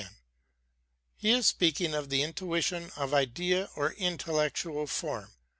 He is speaking of the intuition of idea or intel lectual form.